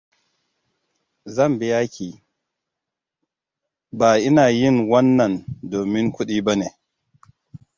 "Zan biya ki. ""Ba ina yin wannan domin kuɗi ba ne."""